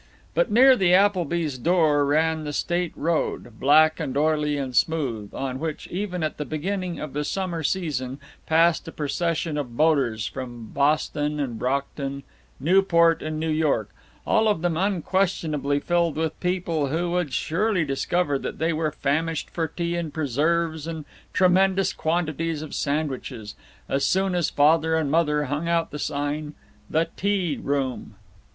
But near the Applebys' door ran the State road, black and oily and smooth, on which, even at the beginning of the summer season, passed a procession of motors from Boston and Brockton, Newport and New York, all of them unquestionably filled with people who would surely discover that they were famished for tea and preserves and tremendous quantities of sandwiches, as soon as Father and Mother hung out the sign, "The T Room."